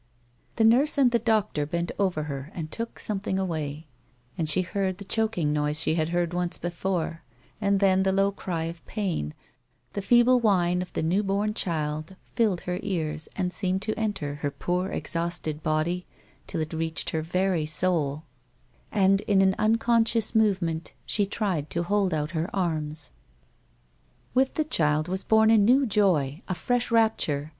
The nurse and the doctor bent over her and took some thing away ; she heanl the choking noise she had heard once before, and then the low cry of pain, the feeble whine of the new born child filled her ears and seemed to enter her poor, exhausted body till it reached her very soul ; and, in an unconscious movement, she tried to hold out her arms. With the child was born a new joy, a fresh rapture.